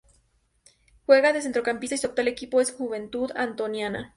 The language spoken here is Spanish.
Juega de centrocampista y su actual equipo es Juventud Antoniana.